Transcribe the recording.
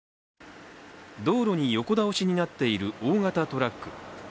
道路に横倒しになっている大型トラック。